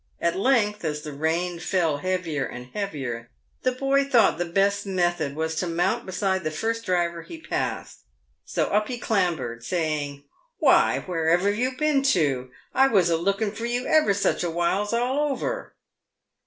At length, as the rain fell heavier and heavier, the boy thought the best method was to mount beside the first driver he passed ; so up he clambered, saying, " Why, where've you been to ? I was a lookin' for you ever such a whiles, all over."